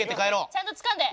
ちゃんとつかんで。